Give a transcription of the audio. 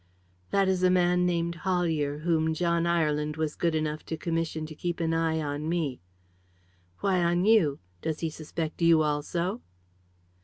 "That is a man named Hollier, whom John Ireland was good enough to commission to keep an eye on me." "Why on you? Does he suspect you also?"